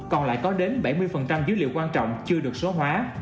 còn lại có đến bảy mươi dữ liệu quan trọng chưa được số hóa